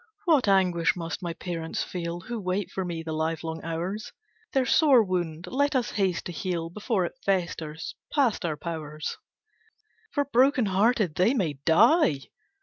"What anguish must my parents feel Who wait for me the livelong hours! Their sore wound let us haste to heal Before it festers, past our powers: "For broken hearted, they may die!